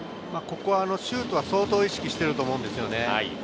ここはシュートは相当意識していると思うんですよね。